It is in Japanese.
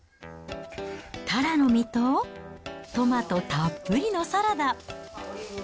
タラの身とトマトたっぷりのサラダ。